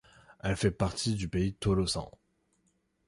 Elle fait partie du Pays Tolosan.